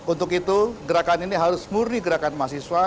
untuk itu gerakan ini harus murni gerakan mahasiswa